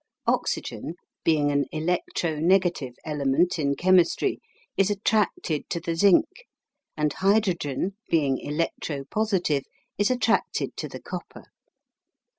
Oxygen, being an "electro negative" element in chemistry, is attracted to the zinc, and hydrogen, being "electro positive," is attracted to the copper.